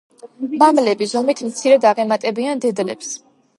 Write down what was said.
მამლები ზომით მცირედ აღემატებიან დედლებს.